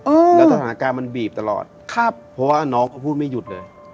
แล้วสถานการณ์มันบีบตลอดครับเพราะว่าน้องเขาพูดไม่หยุดเลย